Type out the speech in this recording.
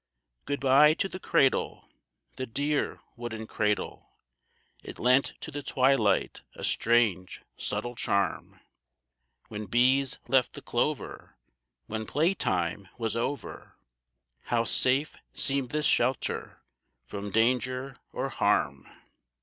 Good bye to the cradle, the dear wooden cradle, It lent to the twilight a strange, subtle charm; When bees left the clover, when play time was over, How safe seemed this shelter from danger or harm.